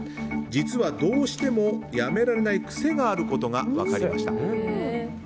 実は、どうしてもやめられない癖があることが分かりました。